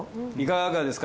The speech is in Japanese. いかがですか？